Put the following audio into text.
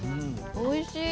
おいしい。